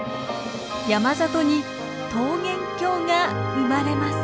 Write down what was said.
山里に桃源郷が生まれます。